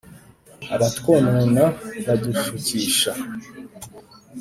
abatwonona badushukisha